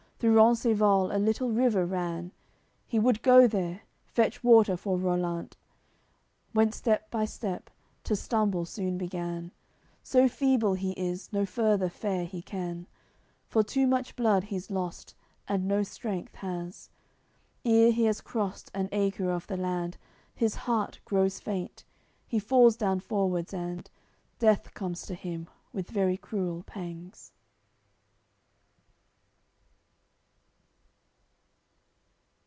Through Rencesvals a little river ran; He would go there, fetch water for Rollant. Went step by step, to stumble soon began, So feeble he is, no further fare he can, For too much blood he's lost, and no strength has; Ere he has crossed an acre of the land, His heart grows faint, he falls down forwards and Death comes to him with very cruel pangs.